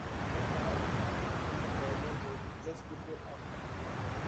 The fire started in the boiler room, just before half-time.